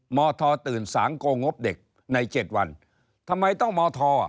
มทตื่นสางโกงบเด็กใน๗วันทำไมต้องมท